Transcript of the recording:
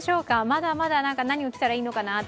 まだまだ何を着たらいいのか